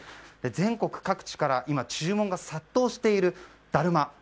全国各地から今注文が殺到している、だるま。